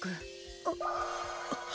あっ！